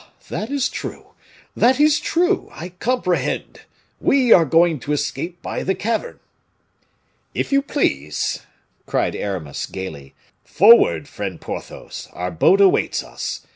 that is true, that is true; I comprehend. We are going to escape by the cavern." "If you please," cried Aramis, gayly. "Forward, friend Porthos; our boat awaits us.